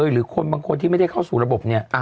หรือคนบางคนที่ไม่ได้เข้าสู่ระบบเนี่ย